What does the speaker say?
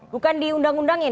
bukan di undang undangnya